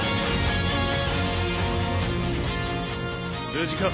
無事か？